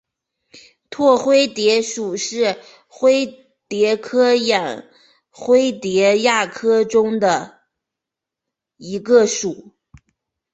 拓灰蝶属是灰蝶科眼灰蝶亚科中的一个属。